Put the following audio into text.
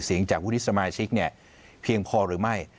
เสียงจากวุฒิสมาชิกเนี่ยเพียงพอหรือไม่